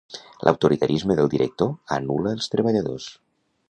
L'autoritarisme del director anul·la els treballadors.